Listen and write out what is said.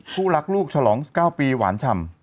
ผู้รักลูกฉลอง๑๙ปีหวานฉ่ำ